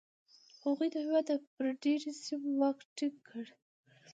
هغوی د هېواد پر ډېری سیمو واک ټینګ کړ